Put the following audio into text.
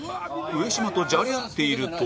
上島とじゃれ合っていると